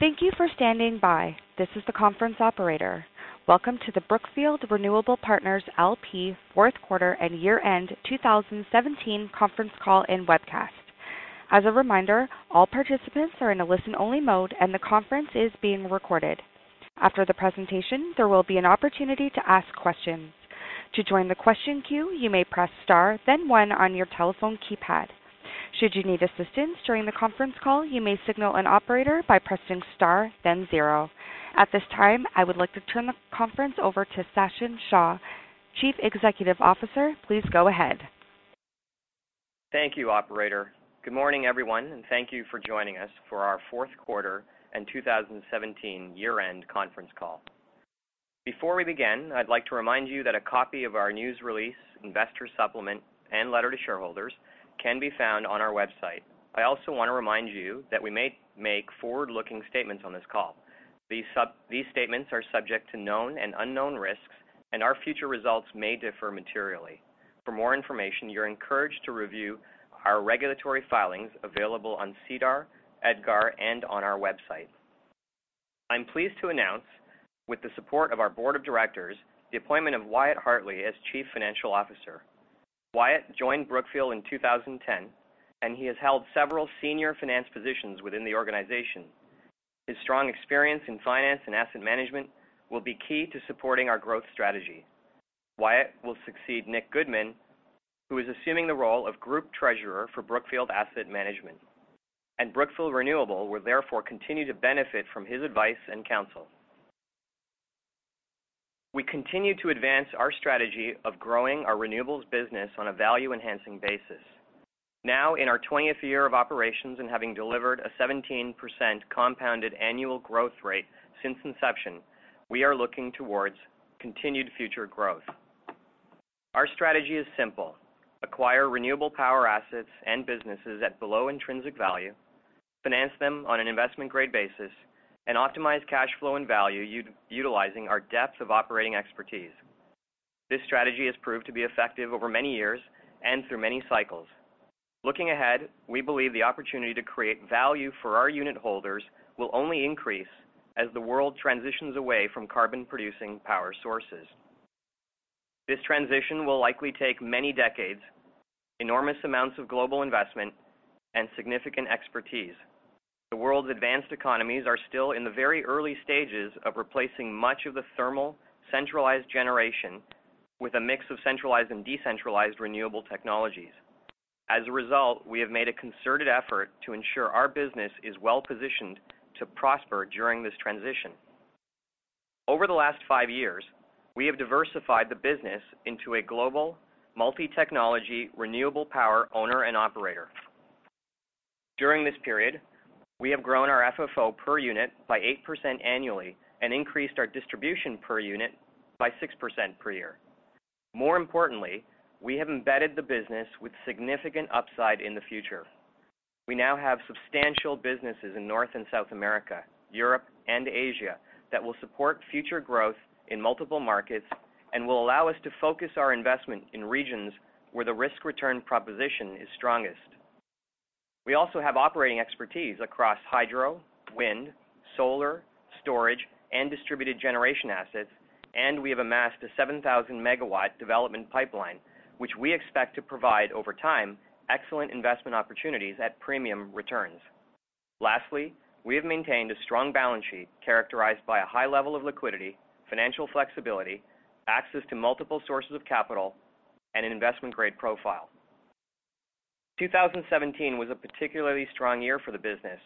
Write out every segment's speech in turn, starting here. Thank you for standing by. This is the conference operator. Welcome to the Brookfield Renewable Partners L.P. Fourth Quarter and Year-End 2017 Conference Call and Webcast. As a reminder, all participants are in a listen-only mode, and the conference is being recorded. After the presentation, there will be an opportunity to ask questions. To join the question queue, you may press star, then one on your telephone keypad. Should you need assistance during the conference call, you may signal an operator by pressing star, then zero. At this time, I would like to turn the conference over to Sachin Shah, Chief Executive Officer. Please go ahead. Thank you, operator. Good morning, everyone, and thank you for joining us for our Fourth Quarter and 2017 Year-end Conference Call. Before we begin, I'd like to remind you that a copy of our news release, investor supplement and letter to shareholders can be found on our website. I also want to remind you that we may make forward-looking statements on this call. These statements are subject to known and unknown risks, and our future results may differ materially. For more information, you're encouraged to review our regulatory filings available on SEDAR, EDGAR, and on our website. I'm pleased to announce, with the support of our Board of Directors, the appointment of Wyatt Hartley as Chief Financial Officer. Wyatt joined Brookfield in 2010, and he has held several senior finance positions within the organization. His strong experience in finance and asset management will be key to supporting our growth strategy. Wyatt will succeed Nicholas Goodman, who is assuming the role of Group Treasurer for Brookfield Asset Management, and Brookfield Renewable will therefore continue to benefit from his advice and counsel. We continue to advance our strategy of growing our renewables business on a value-enhancing basis. Now in our twentieth year of operations and having delivered a 17% compounded annual growth rate since inception, we are looking towards continued future growth. Our strategy is simple. Acquire renewable power assets and businesses at below intrinsic value, finance them on an investment-grade basis, and optimize cash flow and value utilizing our depth of operating expertise. This strategy has proved to be effective over many years and through many cycles. Looking ahead, we believe the opportunity to create value for our unit holders will only increase as the world transitions away from carbon-producing power sources. This transition will likely take many decades, enormous amounts of global investment, and significant expertise. The world's advanced economies are still in the very early stages of replacing much of the thermal, centralized generation with a mix of centralized and decentralized renewable technologies. As a result, we have made a concerted effort to ensure our business is well-positioned to prosper during this transition. Over the last five years, we have diversified the business into a global multi-technology, renewable power owner and operator. During this period, we have grown our FFO per unit by 8% annually and increased our distribution per unit by 6% per year. More importantly, we have embedded the business with significant upside in the future. We now have substantial businesses in North and South America, Europe, and Asia that will support future growth in multiple markets and will allow us to focus our investment in regions where the risk-return proposition is strongest. We also have operating expertise across hydro, wind, solar, storage, and distributed generation assets, and we have amassed a 7,000 MW development pipeline, which we expect to provide, over time, excellent investment opportunities at premium returns. Lastly, we have maintained a strong balance sheet characterized by a high level of liquidity, financial flexibility, access to multiple sources of capital, and an investment-grade profile. 2017 was a particularly strong year for the business.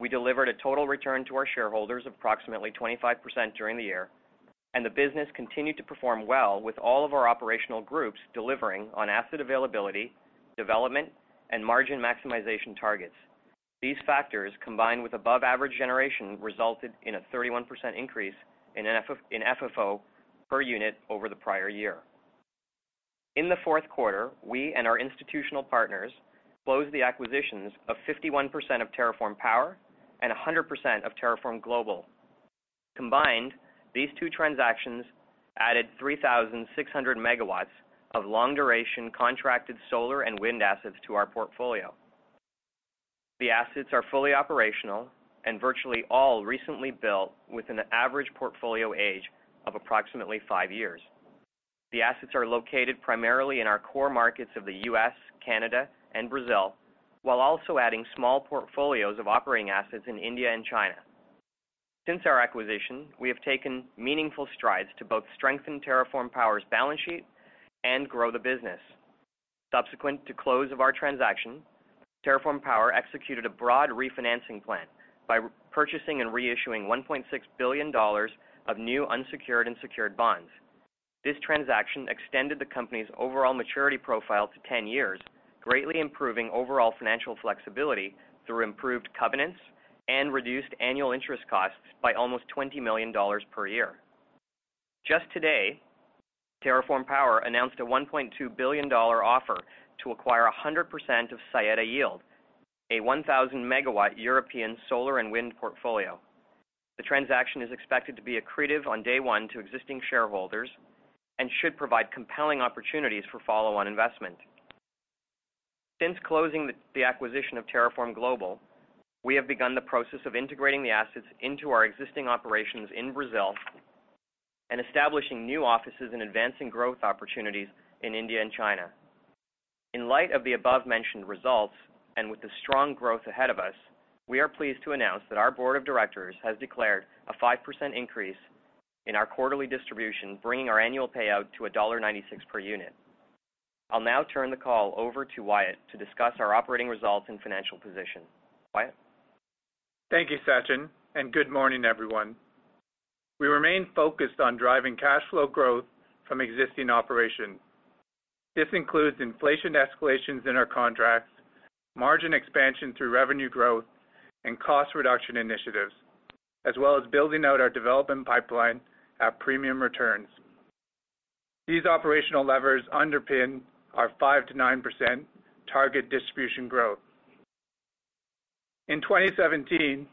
We delivered a total return to our shareholders of approximately 25% during the year, and the business continued to perform well with all of our operational groups delivering on asset availability, development, and margin maximization targets. These factors, combined with above-average generation, resulted in a 31% increase in FFO per unit over the prior year. In the fourth quarter, we and our institutional partners closed the acquisitions of 51% of TerraForm Power and 100% of TerraForm Global. Combined, these two transactions added 3,600 MW of long-duration contracted solar and wind assets to our portfolio. The assets are fully operational and virtually all recently built with an average portfolio age of approximately five years. The assets are located primarily in our core markets of the U.S., Canada, and Brazil, while also adding small portfolios of operating assets in India and China. Since our acquisition, we have taken meaningful strides to both strengthen TerraForm Power's balance sheet and grow the business. Subsequent to close of our transaction, TerraForm Power executed a broad refinancing plan by purchasing and reissuing $1.6 billion of new unsecured and secured bonds. This transaction extended the company's overall maturity profile to 10 years, greatly improving overall financial flexibility through improved covenants and reduced annual interest costs by almost $20 million per year. Just today, TerraForm Power announced a $1.2 billion offer to acquire 100% of Saeta Yield, a 1,000 MW European solar and wind portfolio. The transaction is expected to be accretive on day one to existing shareholders and should provide compelling opportunities for follow-on investment. Since closing the acquisition of TerraForm Global, we have begun the process of integrating the assets into our existing operations in Brazil and establishing new offices and advancing growth opportunities in India and China. In light of the above-mentioned results, and with the strong growth ahead of us, we are pleased to announce that our board of directors has declared a 5% increase in our quarterly distribution, bringing our annual payout to $1.96 per unit. I'll now turn the call over to Wyatt to discuss our operating results and financial position. Wyatt? Thank you, Sachin, and good morning, everyone. We remain focused on driving cash flow growth from existing operations. This includes inflation escalations in our contracts, margin expansion through revenue growth and cost reduction initiatives, as well as building out our development pipeline at premium returns. These operational levers underpin our 5%-9% target distribution growth. In 2017,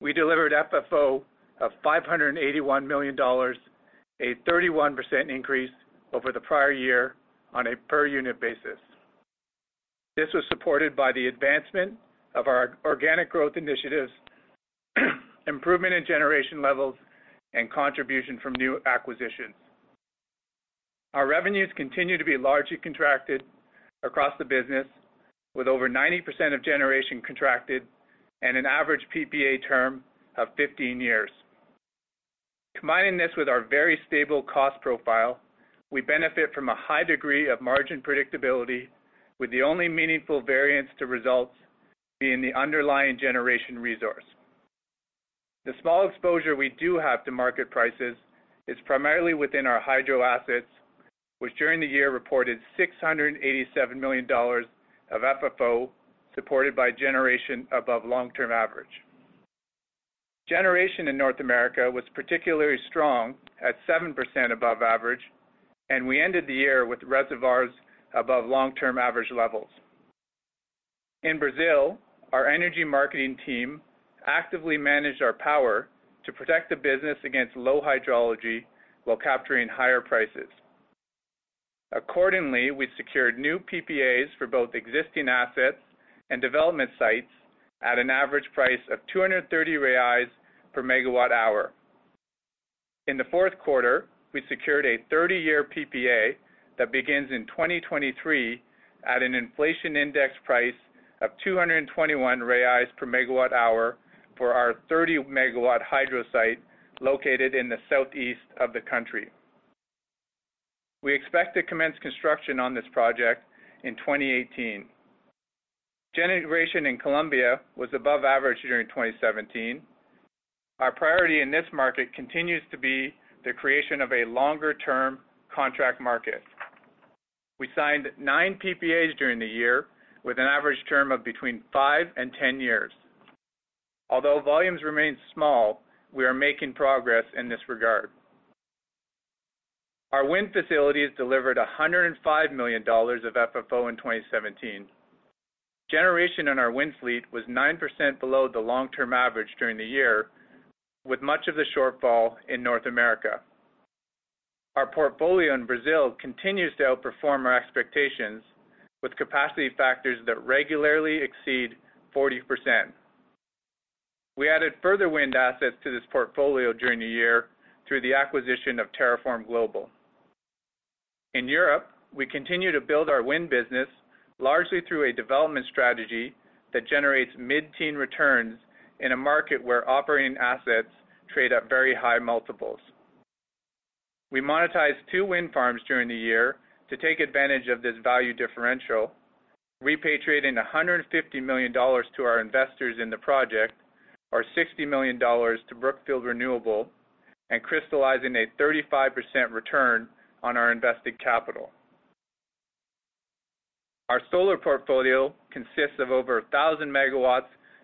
we delivered FFO of $581 million, a 31% increase over the prior year on a per unit basis. This was supported by the advancement of our organic growth initiatives, improvement in generation levels, and contribution from new acquisitions. Our revenues continue to be largely contracted across the business with over 90% of generation contracted and an average PPA term of 15 years. Combining this with our very stable cost profile, we benefit from a high degree of margin predictability, with the only meaningful variance to results being the underlying generation resource. The small exposure we do have to market prices is primarily within our hydro assets, which during the year reported $687 million of FFO, supported by generation above long-term average. Generation in North America was particularly strong at 7% above average, and we ended the year with reservoirs above long-term average levels. In Brazil, our energy marketing team actively managed our power to protect the business against low hydrology while capturing higher prices. Accordingly, we secured new PPAs for both existing assets and development sites at an average price of 230 reais per MWh. In the fourth quarter, we secured a 30-year PPA that begins in 2023 at an inflation index price of 221 reais per MWh for our 30-MW hydro site located in the southeast of the country. We expect to commence construction on this project in 2018. Generation in Colombia was above average during 2017. Our priority in this market continues to be the creation of a longer-term contract market. We signed nine PPAs during the year with an average term of between five and 10 years. Although volumes remain small, we are making progress in this regard. Our wind facilities delivered $105 million of FFO in 2017. Generation in our wind fleet was 9% below the long-term average during the year, with much of the shortfall in North America. Our portfolio in Brazil continues to outperform our expectations with capacity factors that regularly exceed 40%. We added further wind assets to this portfolio during the year through the acquisition of TerraForm Global. In Europe, we continue to build our wind business largely through a development strategy that generates mid-teen returns in a market where operating assets trade at very high multiples. We monetized two wind farms during the year to take advantage of this value differential, repatriating $150 million to our investors in the project or $60 million to Brookfield Renewable and crystallizing a 35% return on our invested capital. Our solar portfolio consists of over 1,000 MW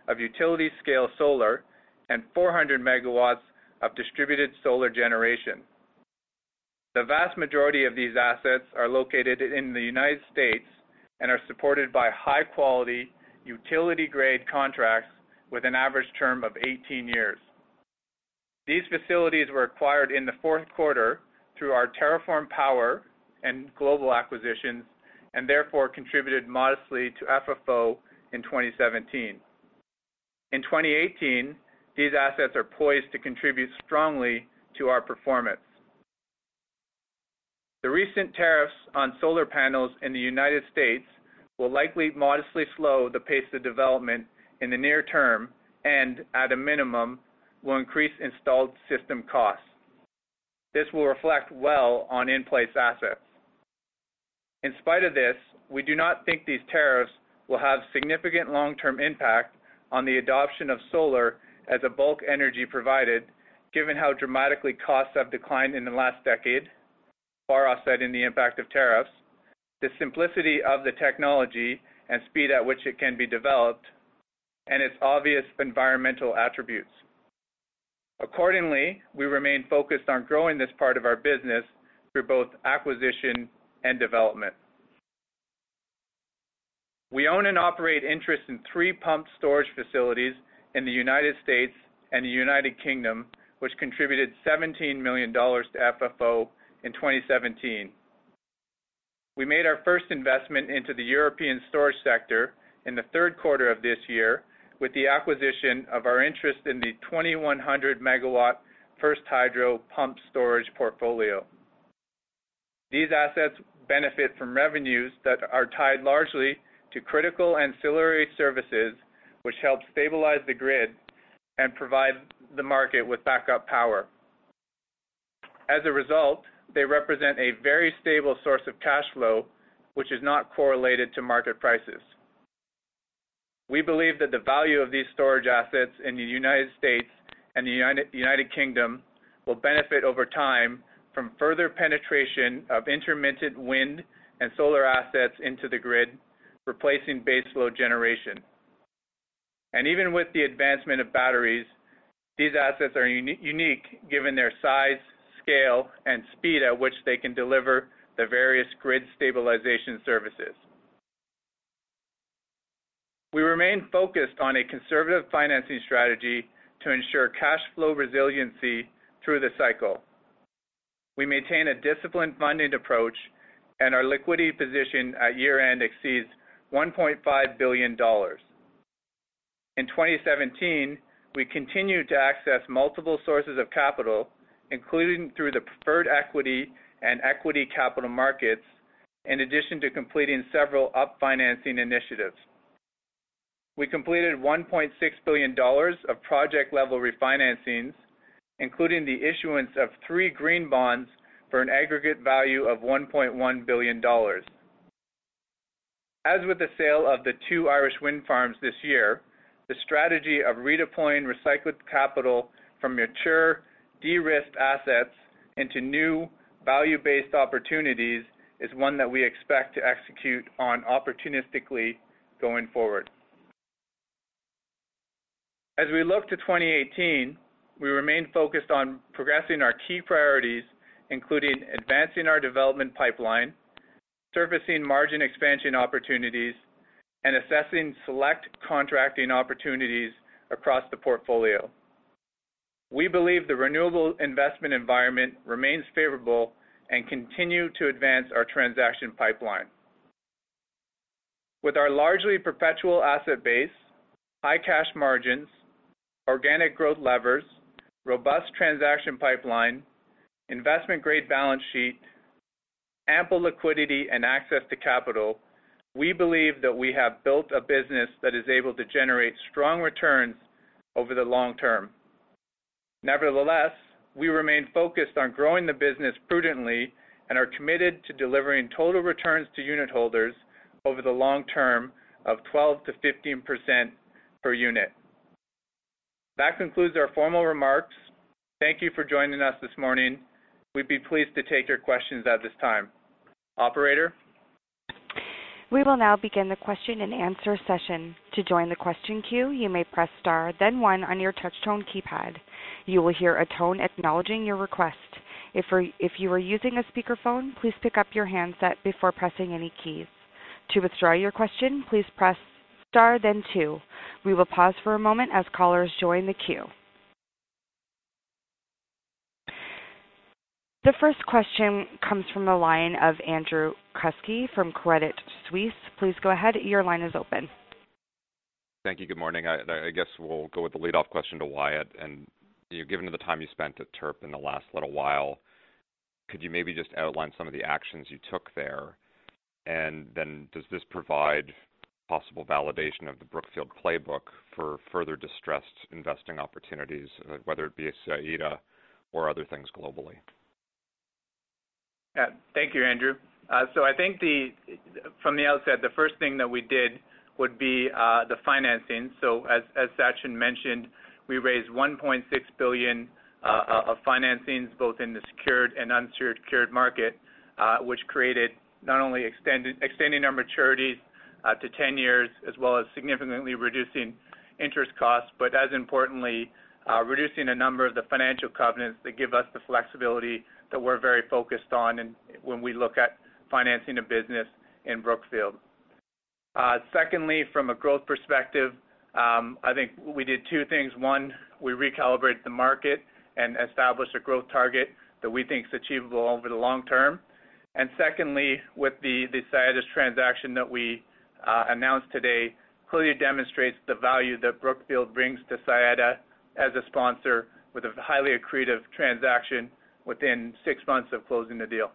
of utility-scale solar and 400 MW of distributed solar generation. The vast majority of these assets are located in the United States and are supported by high-quality utility-grade contracts with an average term of 18 years. These facilities were acquired in the fourth quarter through our TerraForm Power and TerraForm Global acquisitions and therefore contributed modestly to FFO in 2017. In 2018, these assets are poised to contribute strongly to our performance. The recent tariffs on solar panels in the United States will likely modestly slow the pace of development in the near term and, at a minimum, will increase installed system costs. This will reflect well on in-place assets. In spite of this, we do not think these tariffs will have significant long-term impact on the adoption of solar as a bulk energy provider given how dramatically costs have declined in the last decade, far offsetting the impact of tariffs, the simplicity of the technology and speed at which it can be developed, and its obvious environmental attributes. Accordingly, we remain focused on growing this part of our business through both acquisition and development. We own and operate interest in three pumped storage facilities in the United States and the United Kingdom, which contributed $17 million to FFO in 2017. We made our first investment into the European storage sector in the third quarter of this year with the acquisition of our interest in the 2,100 MW First Hydro pumped storage portfolio. These assets benefit from revenues that are tied largely to critical ancillary services, which help stabilize the grid and provide the market with backup power. As a result, they represent a very stable source of cash flow, which is not correlated to market prices. We believe that the value of these storage assets in the United States and the United Kingdom will benefit over time from further penetration of intermittent wind and solar assets into the grid, replacing base load generation. Even with the advancement of batteries, these assets are unique, given their size, scale, and speed at which they can deliver the various grid stabilization services. We remain focused on a conservative financing strategy to ensure cash flow resiliency through the cycle. We maintain a disciplined funding approach, and our liquidity position at year-end exceeds $1.5 billion. In 2017, we continued to access multiple sources of capital, including through the preferred equity and equity capital markets, in addition to completing several up-financing initiatives. We completed $1.6 billion of project-level re-financings, including the issuance of three green bonds for an aggregate value of $1.1 billion. As with the sale of the two Irish wind farms this year, the strategy of redeploying recycled capital from mature, de-risked assets into new value-based opportunities is one that we expect to execute on opportunistically going forward. As we look to 2018, we remain focused on progressing our key priorities, including advancing our development pipeline, servicing margin expansion opportunities, and assessing select contracting opportunities across the portfolio. We believe the renewable investment environment remains favorable and continue to advance our transaction pipeline. With our largely perpetual asset base, high cash margins, organic growth levers, robust transaction pipeline, investment-grade balance sheet, ample liquidity and access to capital, we believe that we have built a business that is able to generate strong returns over the long term. Nevertheless, we remain focused on growing the business prudently and are committed to delivering total returns to unit holders over the long term of 12%-15% per unit. That concludes our formal remarks. Thank you for joining us this morning. We'd be pleased to take your questions at this time. Operator? We will now begin the question-and-answer session. To join the question queue, you may press star then one on your touch tone keypad. You will hear a tone acknowledging your request. If you are using a speakerphone, please pick up your handset before pressing any keys. To withdraw your question, please press star then two. We will pause for a moment as callers join the queue. The first question comes from the line of Andrew Kuske from Credit Suisse. Please go ahead. Your line is open. Thank you. Good morning. I guess we'll go with the leadoff question to Wyatt. You know, given the time you spent at TERP in the last little while, could you maybe just outline some of the actions you took there? Does this provide possible validation of the Brookfield playbook for further distressed investing opportunities, whether it be Saeta or other things globally? Yeah. Thank you, Andrew. I think from the outset, the first thing that we did would be the financing. As Sachin mentioned, we raised $1.6 billion of financings, both in the secured and unsecured credit market, which created not only extending our maturities to 10 years as well as significantly reducing interest costs, but as importantly, reducing a number of the financial covenants that give us the flexibility that we're very focused on when we look at financing a business in Brookfield. Secondly, from a growth perspective, I think we did two things. One, we recalibrated the market and established a growth target that we think is achievable over the long term. Secondly, the Saeta's transaction that we announced today clearly demonstrates the value that Brookfield brings to Saeta as a sponsor with a highly accretive transaction within six months of closing the deal.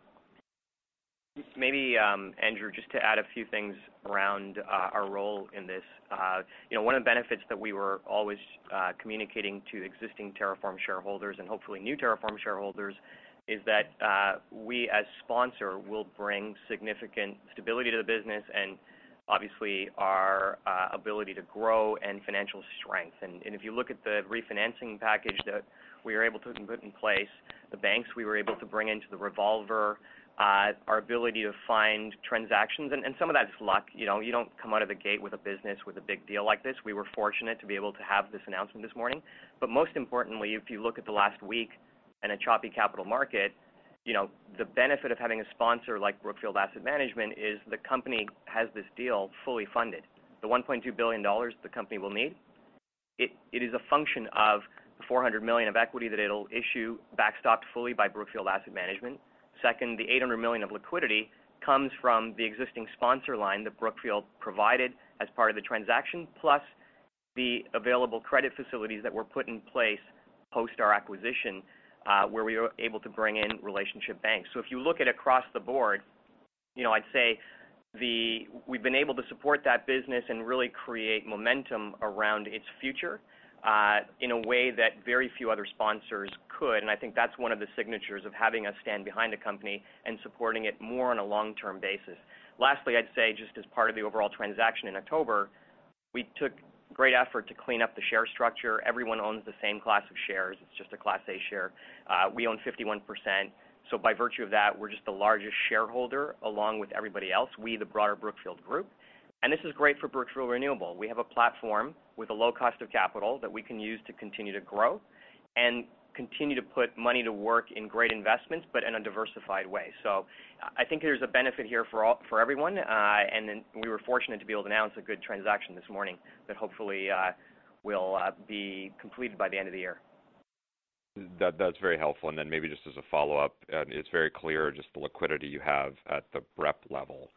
Maybe, Andrew, just to add a few things around our role in this. You know, one of the benefits that we were always communicating to existing TerraForm shareholders and hopefully new TerraForm shareholders is that we, as sponsor, will bring significant stability to the business and obviously our ability to grow and financial strength. If you look at the refinancing package that we were able to put in place, the banks we were able to bring into the revolver, our ability to find transactions. Some of that's luck. You know, you don't come out of the gate with a business with a big deal like this. We were fortunate to be able to have this announcement this morning. Most importantly, if you look at the last week in a choppy capital market, you know, the benefit of having a sponsor like Brookfield Asset Management is the company has this deal fully funded. The $1.2 billion the company will need, it is a function of $400 million of equity that it'll issue backstop fully by Brookfield Asset Management. Second, the $800 million of liquidity comes from the existing sponsor line that Brookfield provided as part of the transaction, plus the available credit facilities that were put in place post our acquisition, where we are able to bring in relationship banks. So if you look at across the board, you know, I'd say we've been able to support that business and really create momentum around its future, in a way that very few other sponsors could. I think that's one of the signatures of having us stand behind a company and supporting it more on a long-term basis. Lastly, I'd say just as part of the overall transaction in October, we took great effort to clean up the share structure. Everyone owns the same class of shares. It's just a class A share. We own 51%, so by virtue of that, we're just the largest shareholder along with everybody else. We, the broader Brookfield Group. This is great for Brookfield Renewable. We have a platform with a low cost of capital that we can use to continue to grow and continue to put money to work in great investments, but in a diversified way. I think there's a benefit here for all, for everyone. We were fortunate to be able to announce a good transaction this morning that hopefully will be completed by the end of the year. That, that's very helpful. Maybe just as a follow-up, and it's very clear just the liquidity you have at the BREP level.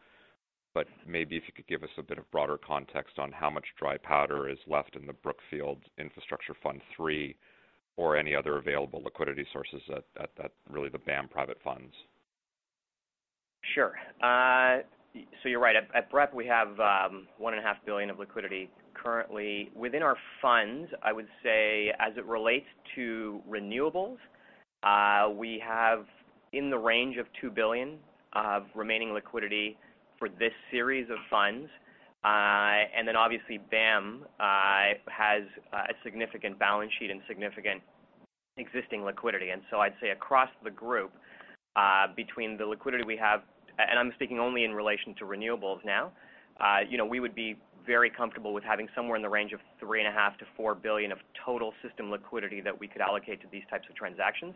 Maybe if you could give us a bit of broader context on how much dry powder is left in the Brookfield Infrastructure Fund III or any other available liquidity sources at really the BAM private funds. Sure. So you're right. At BREP, we have $1.5 billion of liquidity currently within our funds. I would say, as it relates to renewables, we have in the range of $2 billion of remaining liquidity for this series of funds. Obviously, BAM has a significant balance sheet and significant existing liquidity. I'd say across the group, between the liquidity we have, I'm speaking only in relation to renewables now, you know, we would be very comfortable with having somewhere in the range of $3.5 billion-$4 billion of total system liquidity that we could allocate to these types of transactions.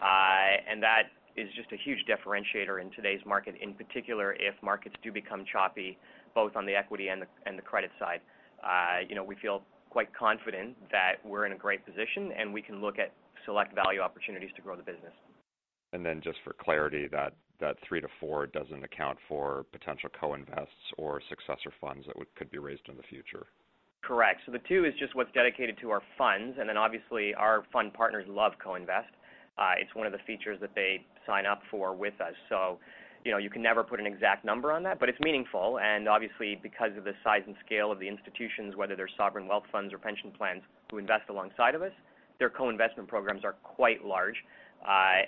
That is just a huge differentiator in today's market, in particular, if markets do become choppy, both on the equity and the credit side. you know, we feel quite confident that we're in a great position, and we can look at select value opportunities to grow the business. Just for clarity, that 3-4 doesn't account for potential co-invests or successor funds that could be raised in the future. Correct. The two is just what's dedicated to our funds, and then obviously, our fund partners love co-invest. It's one of the features that they sign up for with us. You know, you can never put an exact number on that, but it's meaningful. And obviously, because of the size and scale of the institutions, whether they're sovereign wealth funds or pension plans who invest alongside of us, their co-investment programs are quite large. I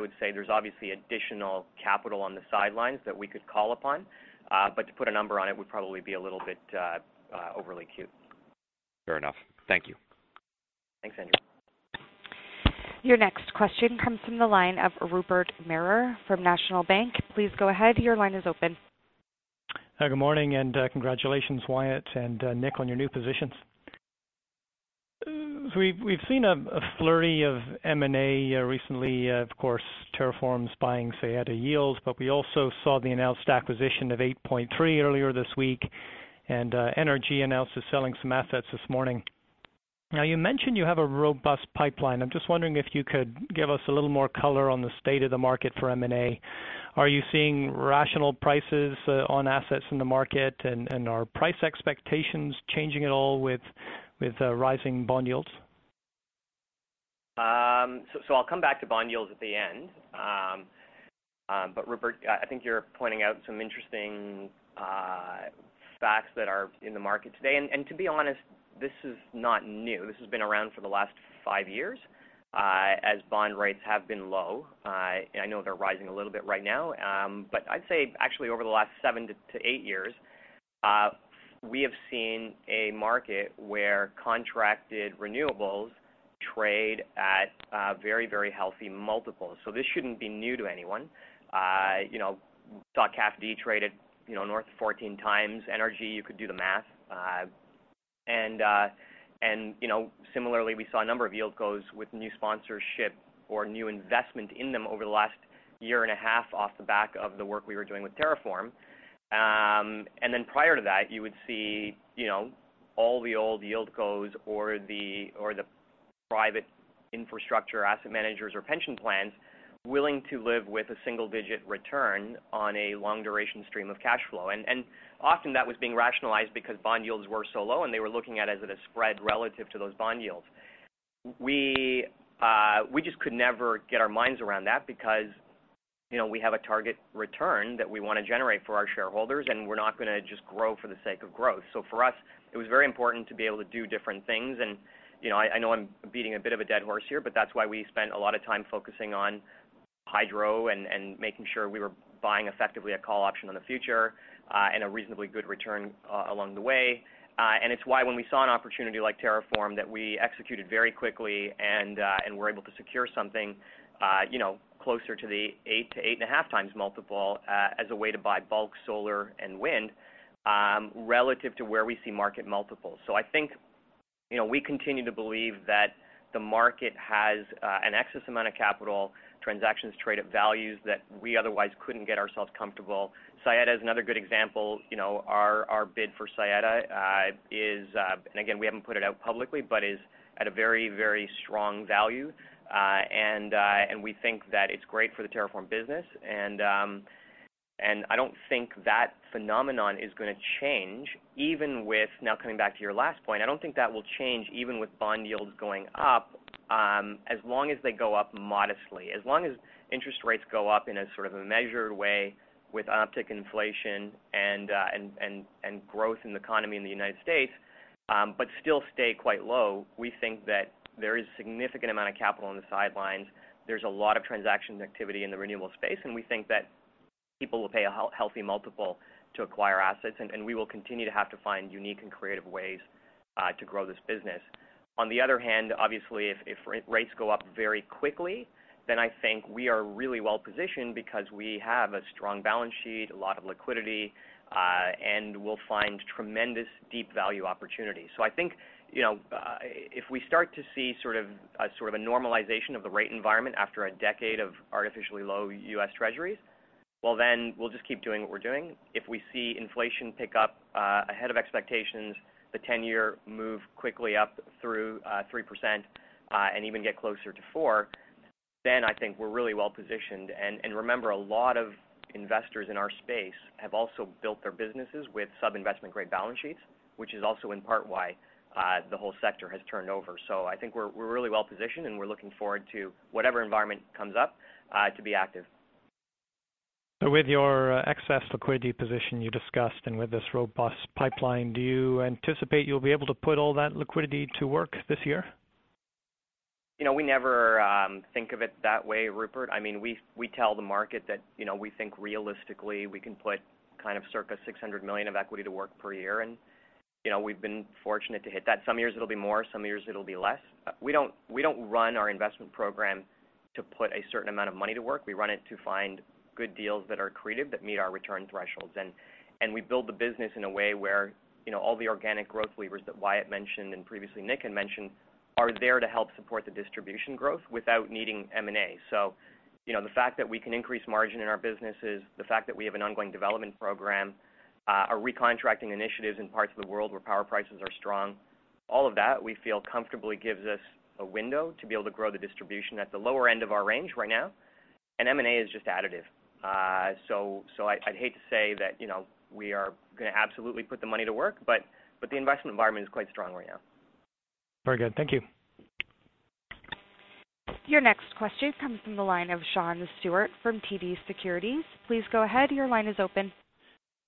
would say there's obviously additional capital on the sidelines that we could call upon. But to put a number on it would probably be a little bit overly acute. Fair enough. Thank you. Thanks, Andrew. Your next question comes from the line of Rupert Merer from National Bank. Please go ahead. Your line is open. Hi, good morning, and congratulations, Wyatt and Nick, on your new positions. We've seen a flurry of M&A recently, of course, TerraForm's buying Saeta Yield, but we also saw the announced acquisition of 8.3 earlier this week, and NRG announced it's selling some assets this morning. Now, you mentioned you have a robust pipeline. I'm just wondering if you could give us a little more color on the state of the market for M&A. Are you seeing rational prices on assets in the market? And are price expectations changing at all with rising bond yields? I'll come back to bond yields at the end. Rupert, I think you're pointing out some interesting facts that are in the market today. To be honest, this is not new. This has been around for the last five years as bond rates have been low. I know they're rising a little bit right now. I'd say actually over the last seven to eight years we have seen a market where contracted renewables trade at a very, very healthy multiple. This shouldn't be new to anyone. You know, saw CAFD trade at, you know, north of 14x energy. You could do the math. You know, similarly, we saw a number of yieldcos with new sponsorship or new investment in them over the last year and a half off the back of the work we were doing with TerraForm. Prior to that, you would see, you know, all the old yieldcos or the private infrastructure asset managers or pension plans willing to live with a single-digit return on a long-duration stream of cash flow. Often that was being rationalized because bond yields were so low, and they were looking at it as a spread relative to those bond yields. We just could never get our minds around that because, you know, we have a target return that we wanna generate for our shareholders, and we're not gonna just grow for the sake of growth. For us, it was very important to be able to do different things. You know, I know I'm beating a bit of a dead horse here, but that's why we spent a lot of time focusing on hydro and making sure we were buying effectively a call option on the future and a reasonably good return along the way. It's why when we saw an opportunity like TerraForm that we executed very quickly and were able to secure something, you know, closer to the 8-8.5x multiple as a way to buy bulk solar and wind relative to where we see market multiples. I think, you know, we continue to believe that the market has an excess amount of capital. Transactions trade at values that we otherwise couldn't get ourselves comfortable. Saeta is another good example. You know, our bid for Saeta is. Again, we haven't put it out publicly, but it is at a very, very strong value. We think that it's great for the TerraForm business. I don't think that phenomenon is gonna change. Now coming back to your last point, I don't think that will change even with bond yields going up, as long as they go up modestly. As long as interest rates go up in a sort of a measured way with an uptick in inflation and growth in the economy in the United States, but still stay quite low, we think that there is a significant amount of capital on the sidelines. There's a lot of transaction activity in the renewable space, and we think that people will pay a healthy multiple to acquire assets, and we will continue to have to find unique and creative ways to grow this business. On the other hand, obviously, if rates go up very quickly, then I think we are really well-positioned because we have a strong balance sheet, a lot of liquidity, and we'll find tremendous deep value opportunities. I think, you know, if we start to see sort of a normalization of the rate environment after a decade of artificially low U.S. Treasuries, well, then we'll just keep doing what we're doing. If we see inflation pick up ahead of expectations, the ten-year move quickly up through 3%, and even get closer to four, then I think we're really well-positioned. Remember, a lot of investors in our space have also built their businesses with sub-investment grade balance sheets, which is also in part why the whole sector has turned over. I think we're really well-positioned, and we're looking forward to whatever environment comes up to be active. With your excess liquidity position you discussed and with this robust pipeline, do you anticipate you'll be able to put all that liquidity to work this year? You know, we never think of it that way, Rupert. I mean, we tell the market that, you know, we think realistically, we can put kind of circa $600 million of equity to work per year. You know, we've been fortunate to hit that. Some years it'll be more, some years it'll be less. We don't run our investment program to put a certain amount of money to work. We run it to find good deals that are accretive, that meet our return thresholds. We build the business in a way where, you know, all the organic growth levers that Wyatt mentioned, and previously Nick had mentioned, are there to help support the distribution growth without needing M&A. You know, the fact that we can increase margin in our businesses, the fact that we have an ongoing development program, our recontracting initiatives in parts of the world where power prices are strong, all of that, we feel comfortably gives us a window to be able to grow the distribution at the lower end of our range right now. M&A is just additive. I'd hate to say that, you know, we are gonna absolutely put the money to work, but the investment environment is quite strong right now. Very good. Thank you. Your next question comes from the line of Sean Steuart from TD Securities. Please go ahead. Your line is open.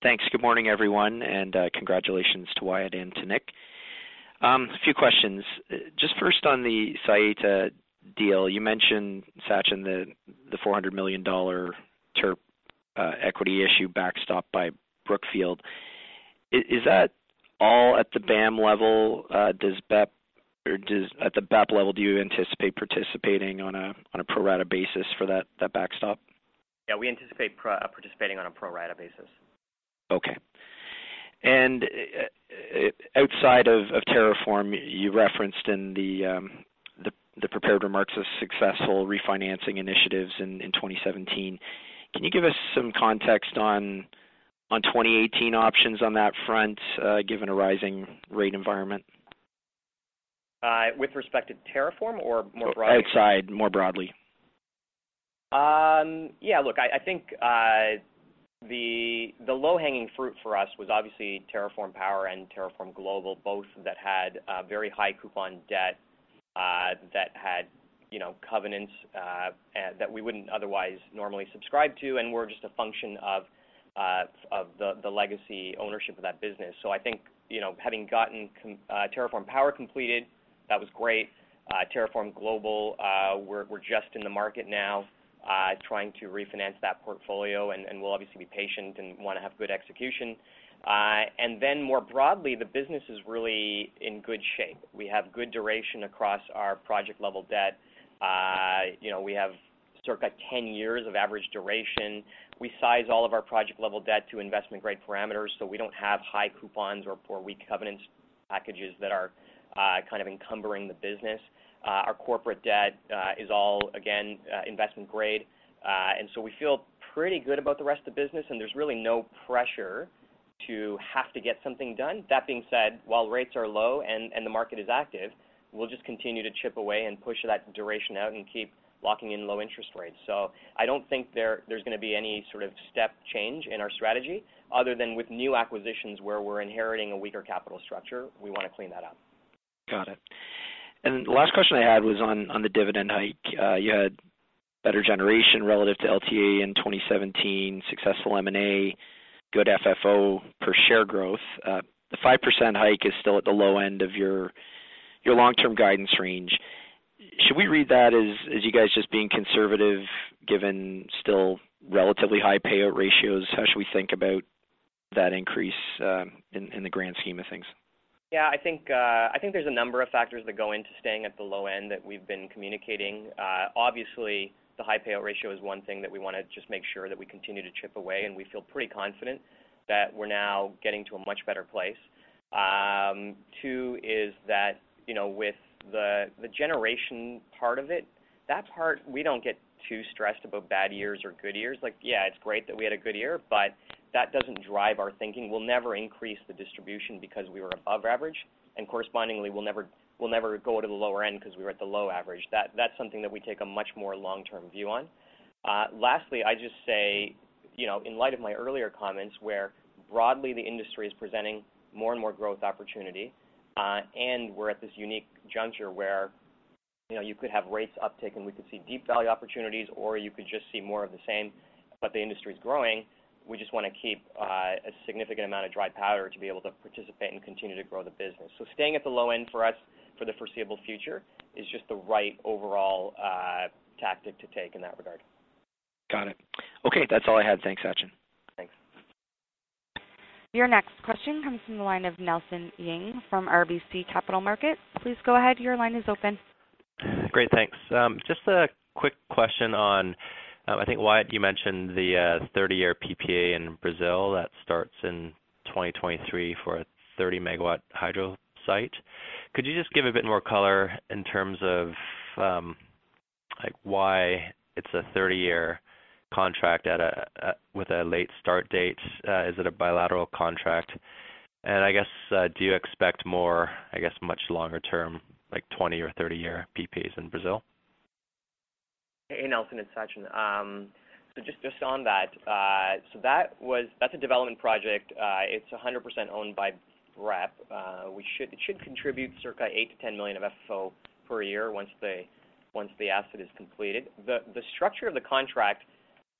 Thanks. Good morning, everyone, and congratulations to Wyatt and to Nick. A few questions. Just first on the Saeta deal, you mentioned, Sachin, the $400 million TERP equity issue backstop by Brookfield. Is that all at the BAM level? Does BEP at the BEP level do you anticipate participating on a pro rata basis for that backstop? Yeah. We anticipate participating on a pro rata basis. Okay. Outside of TerraForm, you referenced in the prepared remarks a successful refinancing initiatives in 2017. Can you give us some context on 2018 options on that front, given a rising rate environment? With respect to TerraForm or more broadly? Outside, more broadly. Yeah, look, I think the low-hanging fruit for us was obviously TerraForm Power and TerraForm Global, both that had a very high coupon debt that had you know covenants that we wouldn't otherwise normally subscribe to and were just a function of the legacy ownership of that business. I think, you know, having gotten TerraForm Power completed, that was great. TerraForm Global, we're just in the market now trying to refinance that portfolio. We'll obviously be patient and wanna have good execution. More broadly, the business is really in good shape. We have good duration across our project-level debt. You know, we have circa 10 years of average duration. We size all of our project-level debt to investment-grade parameters, so we don't have high coupons or poor weak covenant packages that are kind of encumbering the business. Our corporate debt is all, again, investment-grade. We feel pretty good about the rest of the business, and there's really no pressure to have to get something done. That being said, while rates are low and the market is active, we'll just continue to chip away and push that duration out and keep locking in low interest rates. I don't think there's gonna be any sort of step change in our strategy other than with new acquisitions where we're inheriting a weaker capital structure. We wanna clean that up. Got it. The last question I had was on the dividend hike. You had better generation relative to LTA in 2017, successful M&A, good FFO per share growth. The 5% hike is still at the low end of your long-term guidance range. Should we read that as you guys just being conservative given still relatively high payout ratios? How should we think about that increase in the grand scheme of things? Yeah. I think there's a number of factors that go into staying at the low end that we've been communicating. Obviously, the high payout ratio is one thing that we wanna just make sure that we continue to chip away, and we feel pretty confident that we're now getting to a much better place. Two is that, you know, with the generation part of it, that part we don't get too stressed about bad years or good years. Like, yeah, it's great that we had a good year, but that doesn't drive our thinking. We'll never increase the distribution because we were above average. Correspondingly, we'll never go to the lower end because we were below average. That's something that we take a much more long-term view on. Lastly, I just say, you know, in light of my earlier comments, where broadly the industry is presenting more and more growth opportunity, and we're at this unique juncture where, you know, you could have rates uptick, and we could see deep value opportunities, or you could just see more of the same, but the industry is growing. We just wanna keep a significant amount of dry powder to be able to participate and continue to grow the business. Staying at the low end for us for the foreseeable future is just the right overall tactic to take in that regard. Got it. Okay, that's all I had. Thanks, Sachin. Thanks. Your next question comes from the line of Nelson Ng from RBC Capital Markets. Please go ahead. Your line is open. Great, thanks. Just a quick question on, I think, Wyatt, you mentioned the 30-year PPA in Brazil that starts in 2023 for a 30 MW hydro site. Could you just give a bit more color in terms of, like, why it's a 30-year contract at a with a late start date? Is it a bilateral contract? I guess, do you expect more, I guess, much longer term, like 20-year or 30-year PPAs in Brazil? Hey, Nelson, it's Sachin. Just on that was a development project. It's 100% owned by BEP. It should contribute circa $8 million-$10 million of FFO per year once the asset is completed. The structure of the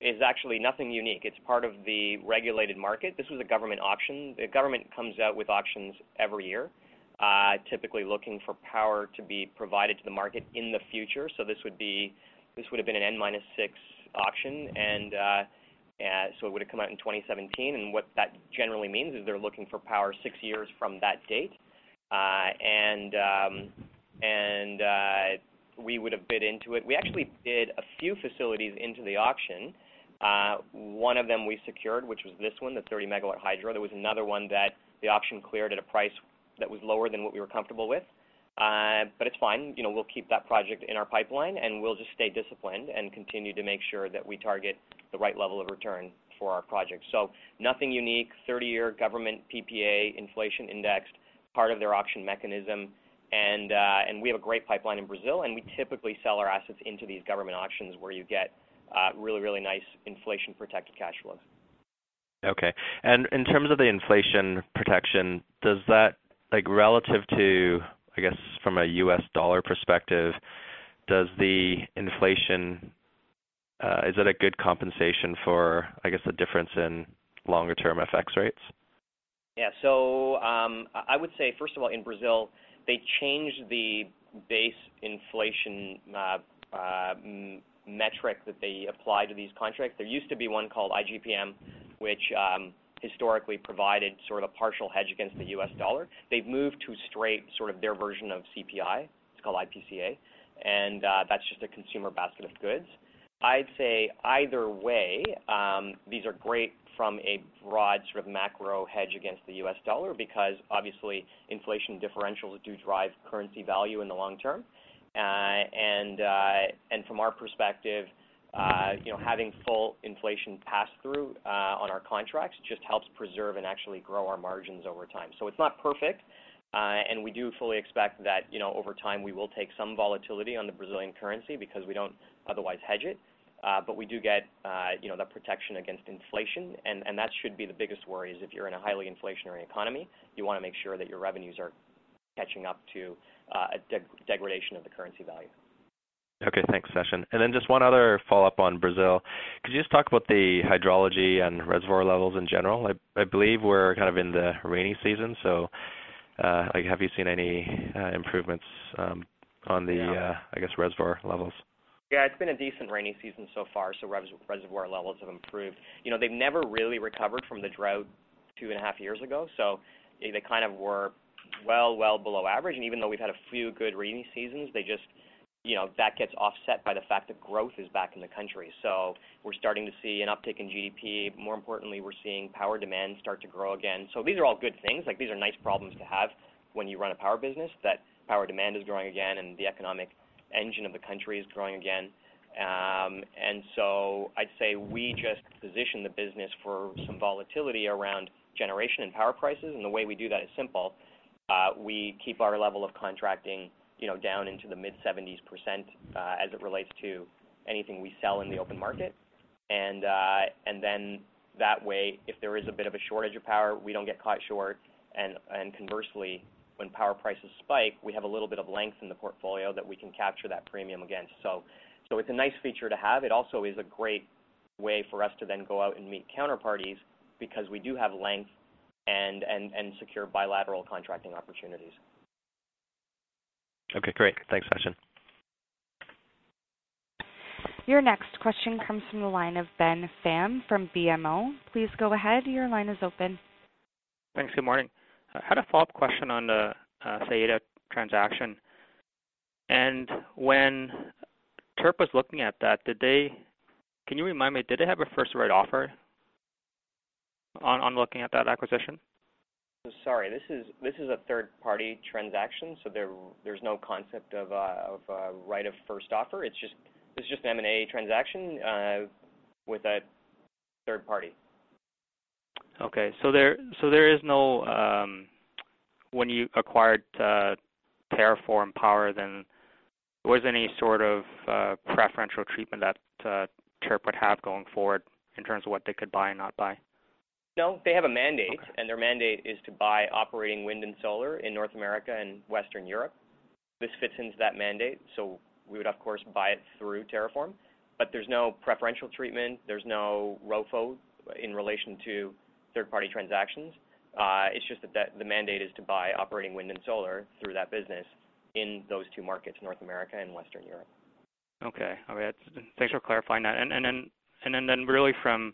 contract is actually nothing unique. It's part of the regulated market. This was a government auction. The government comes out with auctions every year, typically looking for power to be provided to the market in the future. This would have been an N minus six auction. It would have come out in 2017. What that generally means is they're looking for power six years from that date. We would have bid into it. We actually bid a few facilities into the auction. One of them we secured, which was this one, the 30 MW hydro. There was another one that the auction cleared at a price that was lower than what we were comfortable with. It's fine. You know, we'll keep that project in our pipeline, and we'll just stay disciplined and continue to make sure that we target the right level of return for our projects. Nothing unique. 30-year government PPA, inflation indexed, part of their auction mechanism. We have a great pipeline in Brazil, and we typically sell our assets into these government auctions where you get really, really nice inflation-protected cash flows. Okay. In terms of the inflation protection, does that, like, relative to, I guess, from a U.S. dollar perspective, does the inflation, is that a good compensation for, I guess, the difference in longer-term FX rates? Yeah. I would say, first of all, in Brazil, they changed the base inflation metric that they apply to these contracts. There used to be one called IGPM, which historically provided sort of partial hedge against the U.S. dollar. They've moved to a straight sort of their version of CPI. It's called IPCA, and that's just a consumer basket of goods. I'd say either way, these are great from a broad sort of macro hedge against the U.S. dollar because obviously inflation differentials do drive currency value in the long term. From our perspective, you know, having full inflation pass through on our contracts just helps preserve and actually grow our margins over time. It's not perfect. We do fully expect that, you know, over time, we will take some volatility on the Brazilian currency because we don't otherwise hedge it. We do get, you know, the protection against inflation, and that should be the biggest worry is if you're in a highly inflationary economy, you wanna make sure that your revenues are catching up to a degradation of the currency value. Okay. Thanks, Sachin. Just one other follow-up on Brazil. Could you just talk about the hydrology and reservoir levels in general? I believe we're kind of in the rainy season, so like, have you seen any improvements on the- Yeah. I guess, reservoir levels? Yeah, it's been a decent rainy season so far, so reservoir levels have improved. You know, they've never really recovered from the drought 2.5 years ago, so they kind of were well below average. Even though we've had a few good rainy seasons, they just, you know, that gets offset by the fact that growth is back in the country. We're starting to see an uptick in GDP. More importantly, we're seeing power demand start to grow again. These are all good things. Like, these are nice problems to have when you run a power business, that power demand is growing again and the economic engine of the country is growing again. I'd say we just position the business for some volatility around generation and power prices, and the way we do that is simple. We keep our level of contracting, you know, down into the mid-70s%, as it relates to anything we sell in the open market. That way, if there is a bit of a shortage of power, we don't get caught short. Conversely, when power prices spike, we have a little bit of length in the portfolio that we can capture that premium against. It's a nice feature to have. It also is a great way for us to then go out and meet counterparties because we do have length and secure bilateral contracting opportunities. Okay, great. Thanks, Sachin. Your next question comes from the line of Ben Pham from BMO. Please go ahead. Your line is open. Thanks. Good morning. I had a follow-up question on the Saeta transaction. When TERP was looking at that, can you remind me, did they have a first right offer on looking at that acquisition? Sorry, this is a third-party transaction, so there's no concept of right of first offer. It's just an M&A transaction with a third party. When you acquired TerraForm Power, was there any sort of preferential treatment that TERP would have going forward in terms of what they could buy and not buy? No, they have a mandate. Okay. Their mandate is to buy operating wind and solar in North America and Western Europe. This fits into that mandate, so we would, of course, buy it through TerraForm. There's no preferential treatment, there's no ROFO in relation to third-party transactions. It's just that the mandate is to buy operating wind and solar through that business in those two markets, North America and Western Europe. Okay. All right. Thanks for clarifying that. Then really from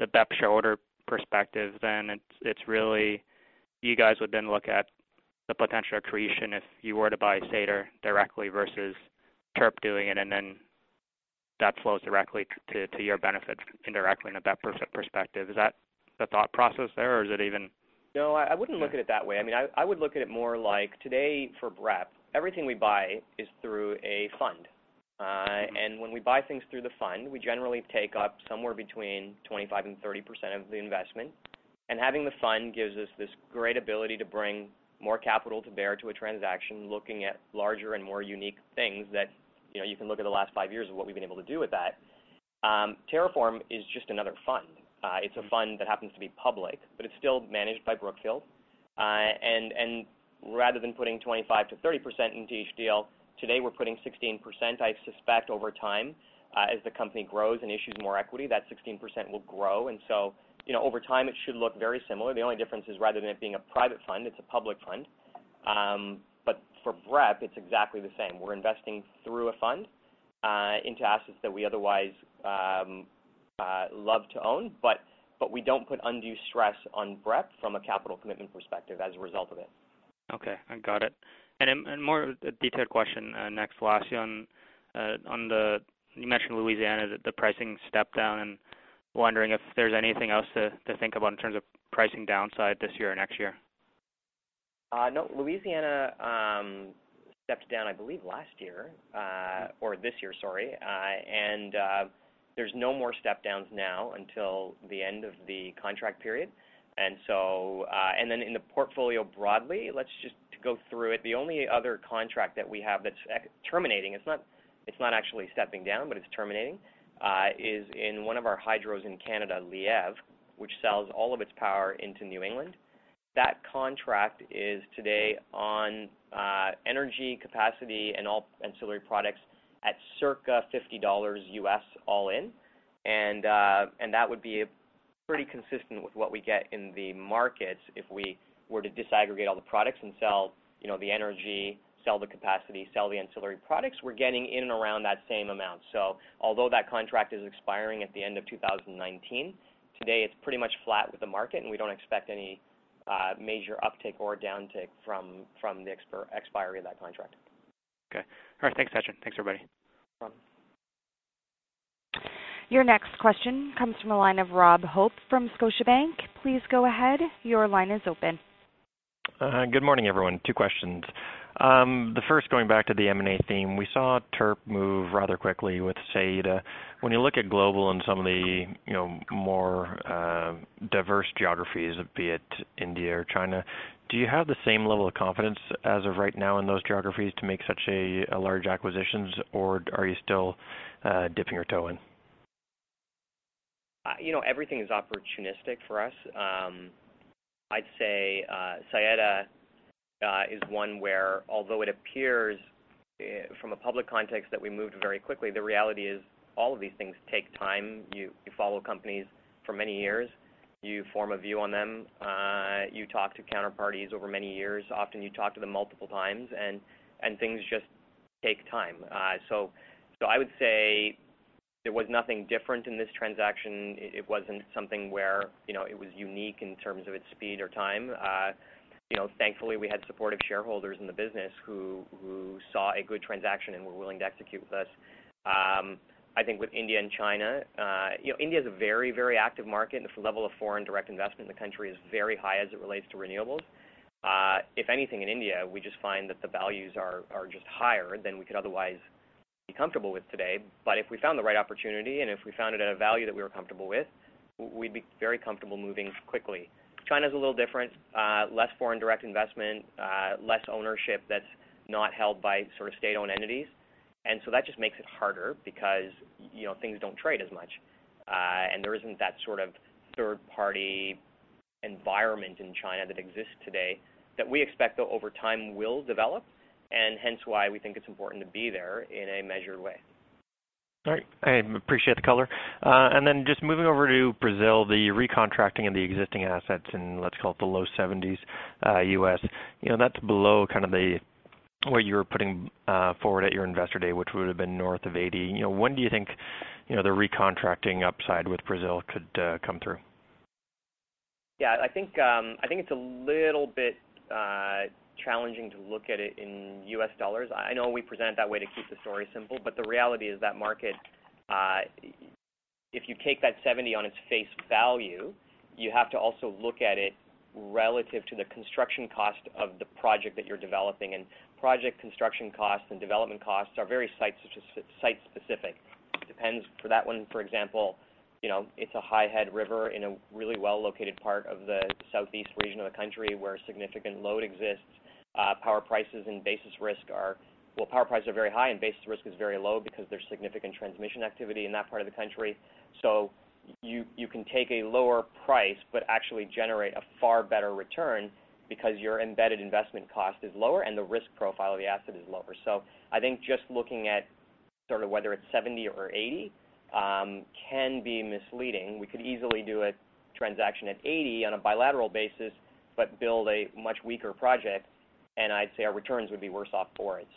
the BEP shareholder perspective, then it's really you guys would then look at the potential accretion if you were to buy Saeta directly versus TERP doing it, and then that flows directly to your benefit indirectly in a BEP perspective. Is that the thought process there, or is it even- No, I wouldn't look at it that way. I mean, I would look at it more like today for BREP, everything we buy is through a fund. When we buy things through the fund, we generally take up somewhere between 25% and 30% of the investment. Having the fund gives us this great ability to bring more capital to bear to a transaction, looking at larger and more unique things that, you know, you can look at the last five years of what we've been able to do with that. TerraForm is just another fund. It's a fund that happens to be public, but it's still managed by Brookfield. Rather than putting 25%-30% into each deal, today we're putting 16%. I suspect over time, as the company grows and issues more equity, that 16% will grow. You know, over time, it should look very similar. The only difference is rather than it being a private fund, it's a public fund. But for BREP, it's exactly the same. We're investing through a fund into assets that we otherwise love to own, but we don't put undue stress on BREP from a capital commitment perspective as a result of it. Okay. I got it. More detailed question next, Vlasios, you mentioned Louisiana, the pricing step down and wondering if there's anything else to think about in terms of pricing downside this year or next year. No. Louisiana stepped down, I believe last year or this year, sorry. There's no more step-downs now until the end of the contract period. In the portfolio broadly, let's just go through it. The only other contract that we have that's expiring. It's not actually stepping down, but it's terminating in one of our hydros in Canada, Lièvre, which sells all of its power into New England. That contract is today on energy, capacity and all ancillary products at circa $50 U.S. all in. That would be pretty consistent with what we get in the markets if we were to disaggregate all the products and sell, you know, the energy, sell the capacity, sell the ancillary products. We're getting in and around that same amount. Although that contract is expiring at the end of 2019, today it's pretty much flat with the market, and we don't expect any major uptick or downtick from the expiry of that contract. Okay. All right. Thanks, Patrick. Thanks, everybody. No problem. Your next question comes from the line of Robert Hope from Scotiabank. Please go ahead. Your line is open. Good morning, everyone. Two questions. The first, going back to the M&A theme. We saw TERP move rather quickly with Saeta. When you look at global and some of the, you know, more diverse geographies, be it India or China, do you have the same level of confidence as of right now in those geographies to make such a large acquisitions, or are you still dipping your toe in? You know, everything is opportunistic for us. I'd say Saeta is one where although it appears from a public context that we moved very quickly, the reality is all of these things take time. You follow companies for many years, you form a view on them. You talk to counterparties over many years. Often you talk to them multiple times, and things just take time. I would say there was nothing different in this transaction. It wasn't something where you know, it was unique in terms of its speed or time. You know, thankfully, we had supportive shareholders in the business who saw a good transaction and were willing to execute with us. I think with India and China, you know, India is a very, very active market, and the level of foreign direct investment in the country is very high as it relates to renewables. If anything, in India, we just find that the values are just higher than we could otherwise be comfortable with today. If we found the right opportunity, and if we found it at a value that we were comfortable with, we'd be very comfortable moving quickly. China's a little different. Less foreign direct investment, less ownership that's not held by sort of state-owned entities. That just makes it harder because, you know, things don't trade as much. There isn't that sort of third-party environment in China that exists today that we expect that over time will develop, and hence why we think it's important to be there in a measured way. All right. I appreciate the color. Just moving over to Brazil, the re-contracting of the existing assets in, let's call it the low $70s U.S. You know, that's below kind of the, what you were putting forward at your Investor Day, which would have been north of 80. You know, when do you think, you know, the re-contracting upside with Brazil could come through? Yeah, I think it's a little bit challenging to look at it in U.S. dollars. I know we present it that way to keep the story simple, but the reality is that market, if you take that 70 on its face value, you have to also look at it relative to the construction cost of the project that you're developing. Project construction costs and development costs are very site-specific. It depends for that one, for example, you know, it's a high head river in a really well located part of the southeast region of the country where significant load exists. Power prices are very high and basis risk is very low because there's significant transmission activity in that part of the country. You can take a lower price but actually generate a far better return because your embedded investment cost is lower and the risk profile of the asset is lower. I think just looking at sort of whether it's 70 or 80 can be misleading. We could easily do a transaction at 80 on a bilateral basis, but build a much weaker project, and I'd say our returns would be worse off for it.